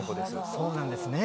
そうなんですね。